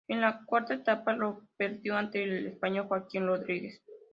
En la cuarta etapa lo perdió ante el español Joaquim Rodríguez.